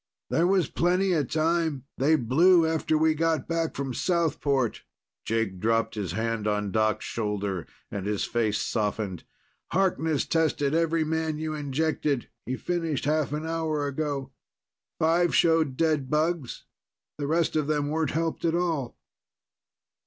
"There was plenty of time. They blew after we got back from Southport." Jack dropped his hand on Doc's shoulder, and his face softened. "Harkness tested every man you injected. He finished half an hour ago. Five showed dead bugs. The rest of them weren't helped at all."